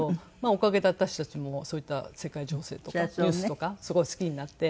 おかげで私たちもそういった世界情勢とかニュースとかすごい好きになって。